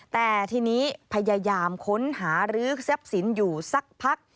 แต่ทีนี้พยายามค้นหารื้อทรัพย์สินอยู่สักพัก